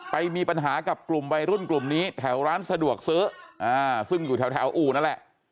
ไปมีปัญหากับกลุ่มวัยรุ่นกลุ่มนี้แถวร้านสะดวกซื้อซึ่งอยู่แถวอู่นั่นแหละ